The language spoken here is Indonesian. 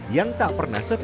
yang tak pernah sebelumnya